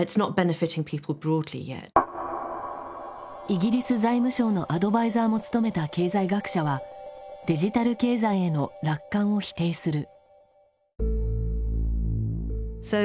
イギリス財務省のアドバイザーも務めた経済学者はデジタル経済への楽観を否定する。